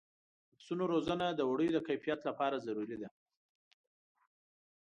د پسونو روزنه د وړیو د کیفیت لپاره ضروري ده.